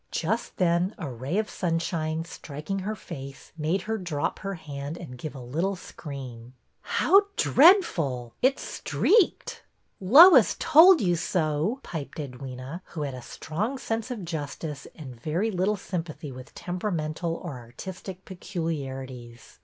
Just then a ray of sunshine, striking her face, made her drop her hand and give a little scream. How dreadful ! It 's streaked !" Lois told you so," piped Edwyna, who had a strong sense of justice and very little sympathy with temperamental or artistic peculiarities.